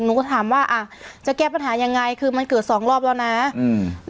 หนูก็ถามว่าอ่ะจะแก้ปัญหายังไงคือมันเกิดสองรอบแล้วนะอืม